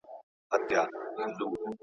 د نفس غوښتنو ته غاړه نه اېښودل کېږي.